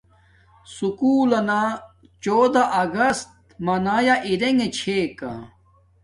سکُول لنا چودہ اگست منایا ارݣگے چھے کا